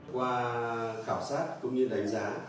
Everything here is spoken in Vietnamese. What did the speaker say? qua khảo sát cũng như đánh giá